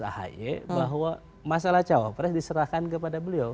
ahy bahwa masalah cawapres diserahkan kepada beliau